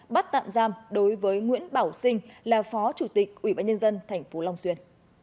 bắt tạm giam đối với nguyễn bảo sinh là phó chủ tịch ubnd tp long xuyên